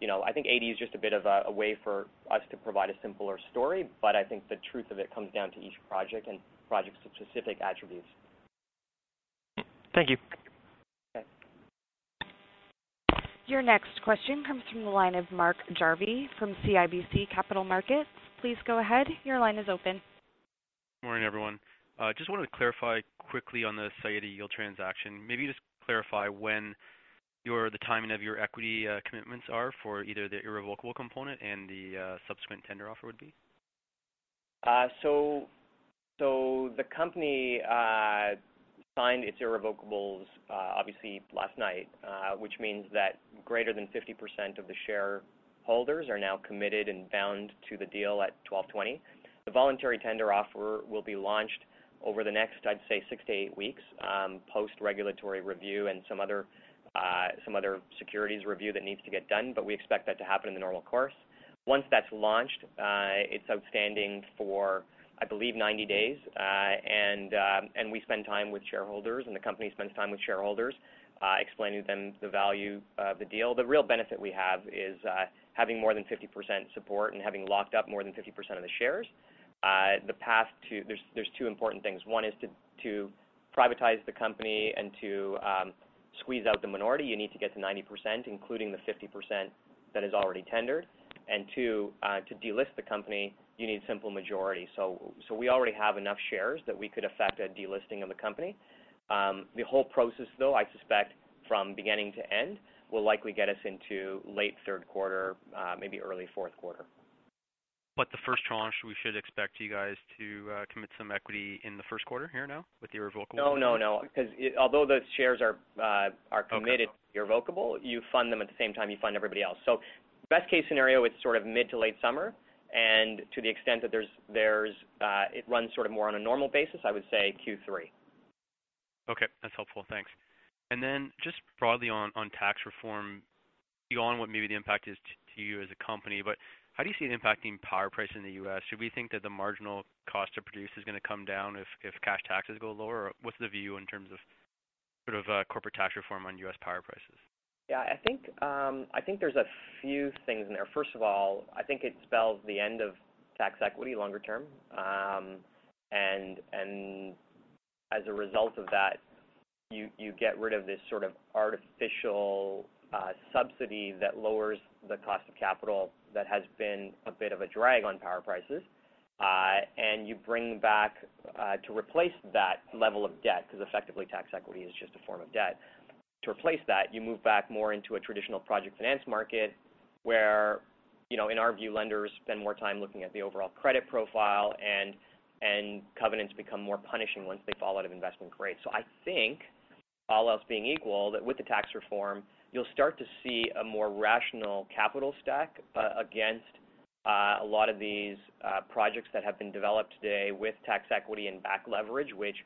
You know, I think 80 is just a bit of a way for us to provide a simpler story, but I think the truth of it comes down to each project and project-specific attributes. Thank you. Okay. Your next question comes from the line of Mark Jarvi from CIBC Capital Markets. Please go ahead. Your line is open. Morning, everyone. Just wanted to clarify quickly on the Saeta Yield transaction. Maybe just clarify when the timing of your equity commitments are for either the irrevocable component and the subsequent tender offer would be. The company signed its irrevocables, obviously last night, which means that greater than 50% of the shareholders are now committed and bound to the deal at $12.20. The voluntary tender offer will be launched over the next, I'd say, six to eight weeks, post-regulatory review and some other securities review that needs to get done. We expect that to happen in the normal course. Once that's launched, it's outstanding for, I believe, 90 days. We spend time with shareholders, and the company spends time with shareholders, explaining to them the value of the deal. The real benefit we have is, having more than 50% support and having locked up more than 50% of the shares. There are two important things. One is to privatize the company and to squeeze out the minority. You need to get to 90%, including the 50% that is already tendered. Two, to delist the company, you need simple majority. We already have enough shares that we could affect a delisting of the company. The whole process, though, I suspect from beginning to end, will likely get us into late third quarter, maybe early fourth quarter. The first tranche, we should expect you guys to commit some equity in the first quarter here now with the irrevocable No, no. 'Cause although those shares are committed. Okay. Irrevocable, you fund them at the same time you fund everybody else. Best case scenario, it's sort of mid to late summer. To the extent that there's it runs sort of more on a normal basis, I would say Q3. Okay. That's helpful. Thanks. Just broadly on tax reform, beyond what maybe the impact is to you as a company, but how do you see it impacting power price in the U.S.? Should we think that the marginal cost to produce is gonna come down if cash taxes go lower? Or what's the view in terms of sort of corporate tax reform on U.S. power prices? Yeah, I think there's a few things in there. First of all, I think it spells the end of tax equity longer term. As a result of that, you get rid of this sort of artificial subsidy that lowers the cost of capital that has been a bit of a drag on power prices. You bring back to replace that level of debt, 'cause effectively, tax equity is just a form of debt. To replace that, you move back more into a traditional project finance market where, you know, in our view, lenders spend more time looking at the overall credit profile and covenants become more punishing once they fall out of investment grade. I think, all else being equal, that with the tax reform, you'll start to see a more rational capital stack against a lot of these projects that have been developed today with tax equity and back leverage, which,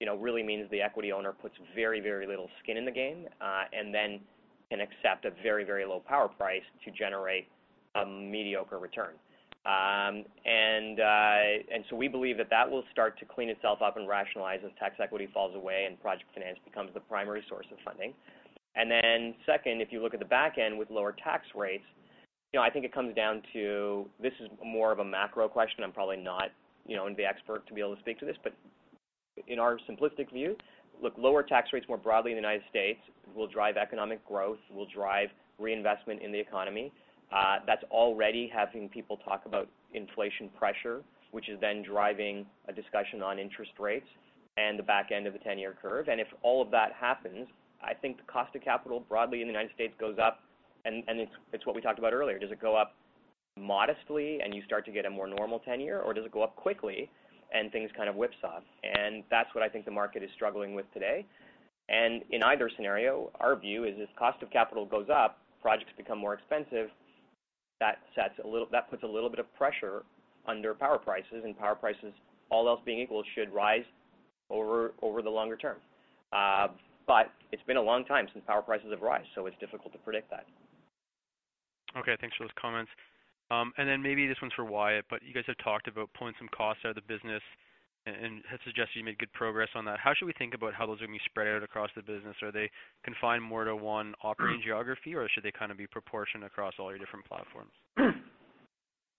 you know, really means the equity owner puts very, very little skin in the game, and then can accept a very, very low power price to generate a mediocre return. We believe that will start to clean itself up and rationalize as tax equity falls away and project finance becomes the primary source of funding. Then second, if you look at the back end with lower tax rates, you know, I think it comes down to this is more of a macro question. I'm probably not, you know, the expert to be able to speak to this, but in our simplistic view, look, lower tax rates more broadly in the United States will drive economic growth, will drive reinvestment in the economy. That's already having people talk about inflation pressure, which is then driving a discussion on interest rates and the back end of the ten-year curve. If all of that happens, I think the cost of capital broadly in the United States goes up, and it's what we talked about earlier. Does it go up modestly and you start to get a more normal ten-year, or does it go up quickly and things kind of whipsaw? That's what I think the market is struggling with today. In either scenario, our view is if cost of capital goes up, projects become more expensive. That puts a little bit of pressure under power prices, and power prices, all else being equal, should rise over the longer term. It's been a long time since power prices have risen, so it's difficult to predict that. Okay. Thanks for those comments. Maybe this one's for Wyatt, but you guys have talked about pulling some costs out of the business and had suggested you made good progress on that. How should we think about how those are gonna be spread out across the business? Are they confined more to one operating geography, or should they kind of be proportioned across all your different platforms?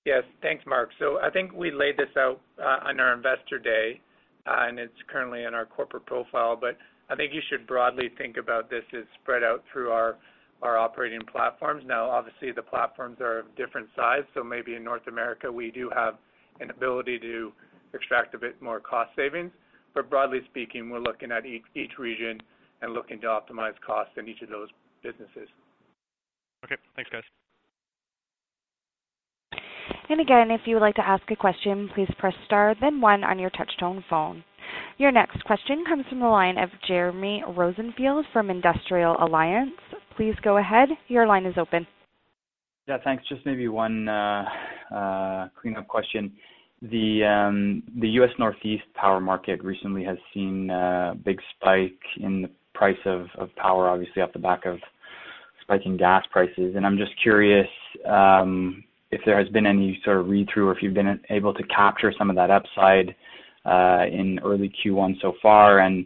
Yes. Thanks, Mark. I think we laid this out on our Investor Day, and it's currently in our corporate profile, but I think you should broadly think about this as spread out through our operating platforms. Now, obviously, the platforms are of different size. Maybe in North America, we do have an ability to extract a bit more cost savings. Broadly speaking, we're looking at each region and looking to optimize costs in each of those businesses. Okay. Thanks, guys. And again if you have a question please press star on your touchtone Your next question comes from the line of Jeremy Rosenfield from Industrial Alliance. Please go ahead. Your line is open. Yeah, thanks. Just maybe one cleanup question. The U.S. Northeast power market recently has seen a big spike in the price of power, obviously off the back of spiking gas prices. I'm just curious if there has been any sort of read-through or if you've been able to capture some of that upside in early Q1 so far, and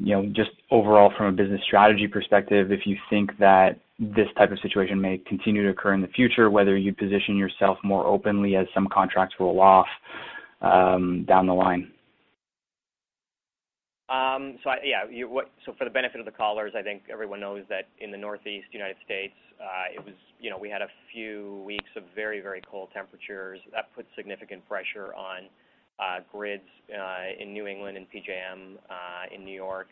you know, just overall from a business strategy perspective, if you think that this type of situation may continue to occur in the future, whether you position yourself more openly as some contracts roll off down the line. For the benefit of the callers, I think everyone knows that in the Northeast United States, you know, we had a few weeks of very, very cold temperatures. That put significant pressure on grids in New England and PJM in New York,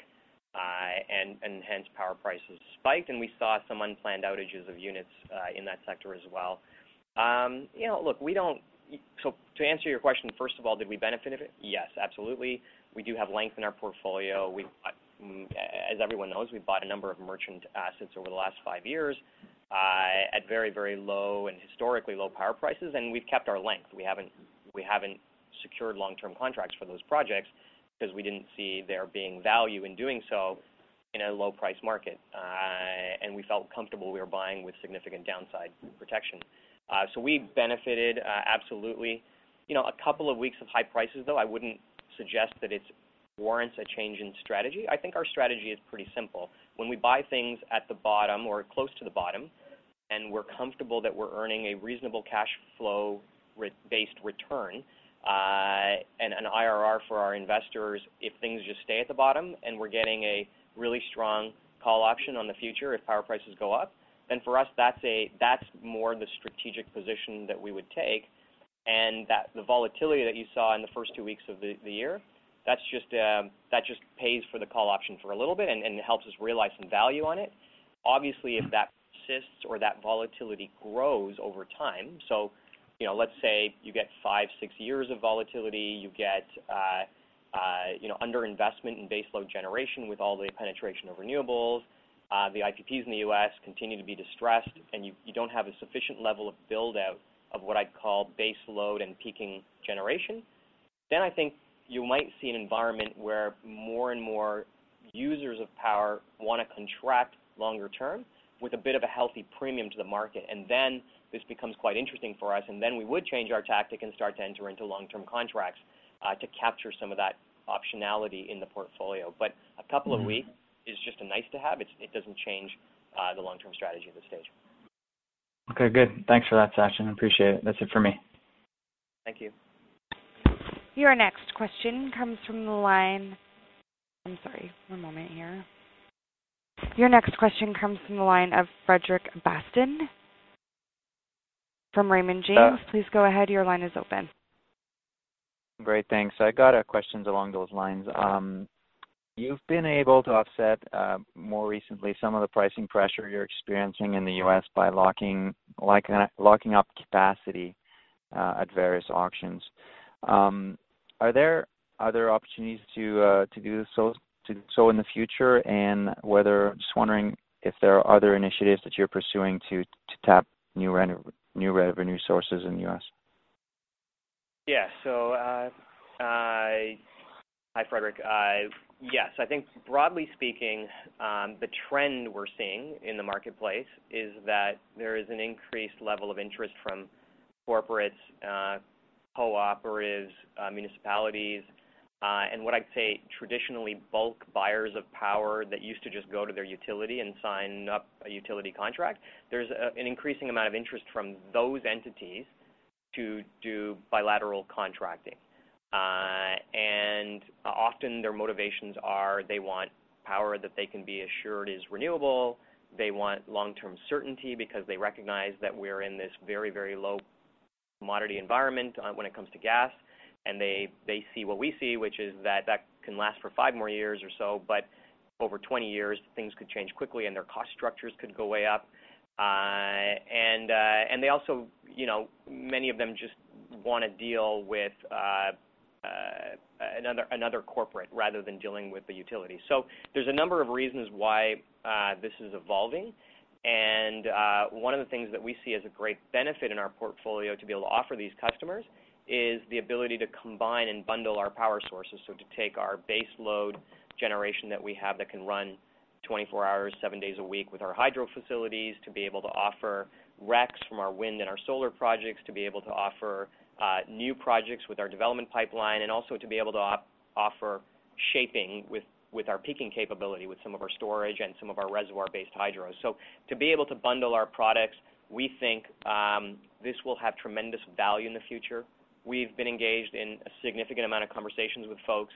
and hence, power prices spiked, and we saw some unplanned outages of units in that sector as well. You know, look, to answer your question, first of all, did we benefit from it? Yes, absolutely. We do have leverage in our portfolio. As everyone knows, we bought a number of merchant assets over the last five years at very, very low and historically low power prices, and we've kept our leverage. We haven't secured long-term contracts for those projects because we didn't see there being value in doing so in a low-price market. We felt comfortable we were buying with significant downside protection. We benefited, absolutely. You know, a couple of weeks of high prices, though, I wouldn't suggest that it warrants a change in strategy. I think our strategy is pretty simple. When we buy things at the bottom or close to the bottom, and we're comfortable that we're earning a reasonable cash flow based return, and an IRR for our investors, if things just stay at the bottom and we're getting a really strong call option on the future if power prices go up, then for us, that's more the strategic position that we would take. That the volatility that you saw in the first two weeks of the year, that's just that pays for the call option for a little bit and helps us realize some value on it. Obviously, if that persists or that volatility grows over time, so you know, let's say you get five to six years of volatility, you get you know, under-investment in base load generation with all the penetration of renewables, the IPPs in the U.S. continue to be distressed, and you don't have a sufficient level of build-out of what I'd call base load and peaking generation, then I think you might see an environment where more and more users of power want to contract longer term with a bit of a healthy premium to the market. This becomes quite interesting for us, and then we would change our tactic and start to enter into long-term contracts to capture some of that optionality in the portfolio. A couple of weeks is just a nice-to-have. It doesn't change the long-term strategy at this stage. Okay, good. Thanks for that, Sachin. Appreciate it. That's it for me. Thank you. Your next question comes from the line of Frederic Bastien from Raymond James. Please go ahead. Your line is open. Great. Thanks. I got questions along those lines. You've been able to offset more recently some of the pricing pressure you're experiencing in the U.S. by locking up capacity, like, at various auctions. Are there other opportunities to do so in the future? Just wondering if there are other initiatives that you're pursuing to tap new revenue sources in the U.S. Yeah. Hi, Frederic. Yes. I think broadly speaking, the trend we're seeing in the marketplace is that there is an increased level of interest from corporates, cooperatives, municipalities, and what I'd say, traditionally, bulk buyers of power that used to just go to their utility and sign up a utility contract. There's an increasing amount of interest from those entities to do bilateral contracting. Often their motivations are they want power that they can be assured is renewable, they want long-term certainty because they recognize that we're in this very, very low commodity environment, when it comes to gas, and they see what we see, which is that that can last for 5 more years or so, but over 20 years, things could change quickly and their cost structures could go way up. They also, you know, many of them just wanna deal with another corporate rather than dealing with the utility. There's a number of reasons why this is evolving. One of the things that we see as a great benefit in our portfolio to be able to offer these customers is the ability to combine and bundle our power sources. To take our base load generation that we have that can run 24 hours, seven days a week with our hydro facilities, to be able to offer RECs from our wind and our solar projects, to be able to offer new projects with our development pipeline, and also to be able to offer shaping with our peaking capability, with some of our storage and some of our reservoir-based hydros. To be able to bundle our products, we think this will have tremendous value in the future. We've been engaged in a significant amount of conversations with folks,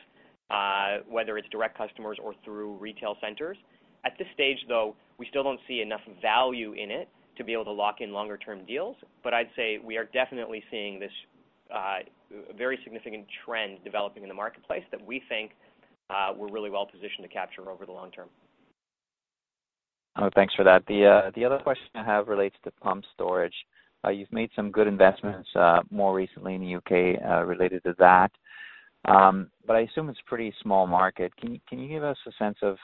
whether it's direct customers or through retail centers. At this stage, though, we still don't see enough value in it to be able to lock in longer-term deals. I'd say we are definitely seeing this very significant trend developing in the marketplace that we think we're really well-positioned to capture over the long term. Thanks for that. The other question I have relates to pumped storage. You've made some good investments more recently in the U.K. related to that. I assume it's pretty small market. Can you give us a sense of,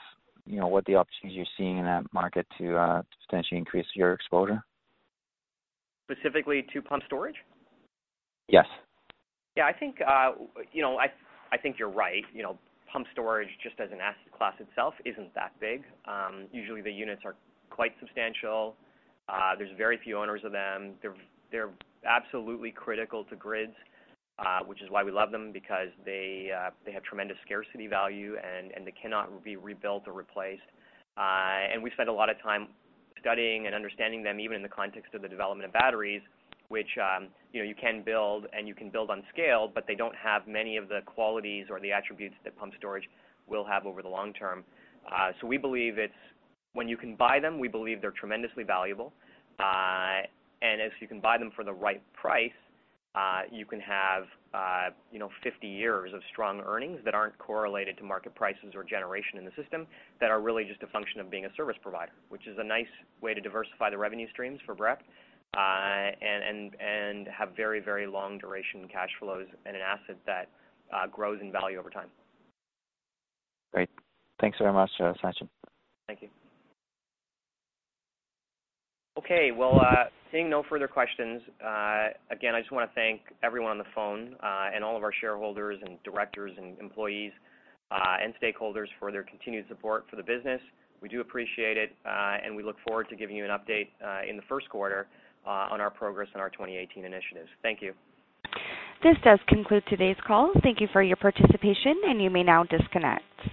you know, what the opportunities you're seeing in that market to substantially increase your exposure? Specifically to pumped storage? Yes. Yeah, I think you know I think you're right. You know, pumped storage, just as an asset class itself isn't that big. Usually the units are quite substantial. There's very few owners of them. They're absolutely critical to grids, which is why we love them because they have tremendous scarcity value, and they cannot be rebuilt or replaced. We spend a lot of time studying and understanding them, even in the context of the development of batteries, which you know, you can build, and you can build on scale, but they don't have many of the qualities or the attributes that pumped storage will have over the long term. So we believe it's when you can buy them, we believe they're tremendously valuable. If you can buy them for the right price, you can have, you know, 50 years of strong earnings that aren't correlated to market prices or generation in the system, that are really just a function of being a service provider, which is a nice way to diversify the revenue streams for BREP, and have very, very long duration cash flows and an asset that grows in value over time. Great. Thanks very much, Sachin. Thank you. Okay, well, seeing no further questions, again, I just wanna thank everyone on the phone, and all of our shareholders and directors and employees, and stakeholders for their continued support for the business. We do appreciate it, and we look forward to giving you an update, in the first quarter, on our progress on our 2018 initiatives. Thank you. This does conclude today's call. Thank you for your participation, and you may now disconnect.